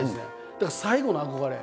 だから最後の憧れ。